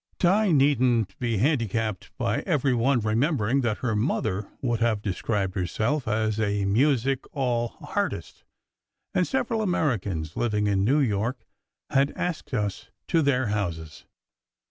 Di needn t be handicapped by every one remembering that her mother would have described herself as a "music all h artist"; and several Americans living in New York had asked us to their houses.